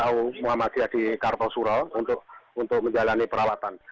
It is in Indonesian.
kpu muhammadiyah di kartosuro untuk menjalani perawatan